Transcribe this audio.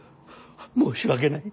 申し訳ない。